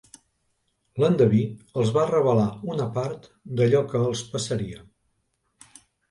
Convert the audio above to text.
L'endeví els va revelar una part d'allò que els passaria.